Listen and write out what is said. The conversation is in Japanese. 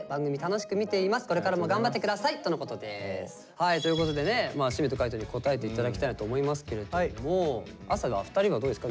はいということでねしめと海人に答えていただきたいなと思いますけれども朝が２人はどうですか？